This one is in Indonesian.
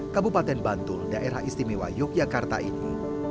kabupaten bantul daerah istimewa yogyakarta ini